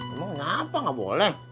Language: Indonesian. emang kenapa gak boleh